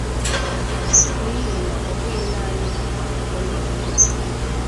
n'ihi na ọ bụghị naanị na ọ na-enye ego